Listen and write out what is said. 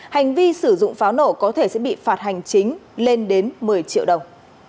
hành vi sử dụng pháo nổ có thể sẽ bị phạt hành chính lên đến một mươi triệu đồng